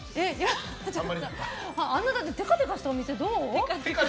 ちょっとあんなテカテカしたお店どう？